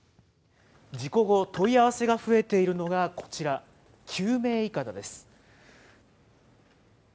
事故後、問い合わせが増えているのがこちら、救命いかだです。